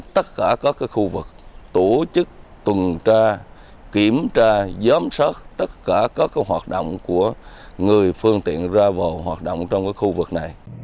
tất cả các khu vực tổ chức tuần tra kiểm tra giám sát tất cả các hoạt động của người phương tiện ra vào hoạt động trong khu vực này